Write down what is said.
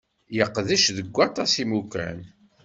Yeqdec deg waṭas n yimukan.